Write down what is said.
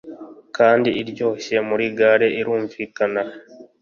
Kandi iryoshye muri gale irumvikana